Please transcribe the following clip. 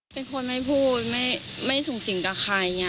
เป็นคนไม่พูดไม่สูงสิงกับใคร